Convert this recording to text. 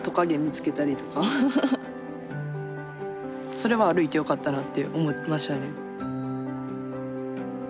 それは歩いてよかったなって思いましたね。